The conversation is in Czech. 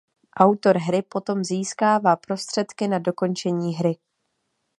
Autor hry potom získává prostředky na dokončení hry.